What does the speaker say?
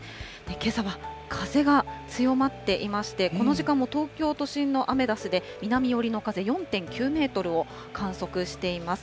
けさは風が強まっていまして、この時間も東京都心のアメダスで、南寄りの風４．９メートルを観測しています。